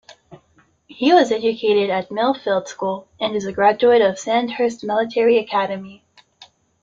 He was educated at Millfield School and is a graduate of Sandhurst military academy.